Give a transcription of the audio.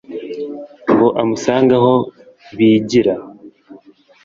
ngo amusange aho bigira.